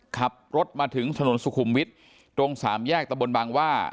ขับรถมาถึงถนนสุขุมวิทย์ตรงสามแยกตะบนบางว่า